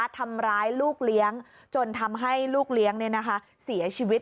ทำร้ายลูกเลี้ยงจนทำให้ลูกเลี้ยงเสียชีวิต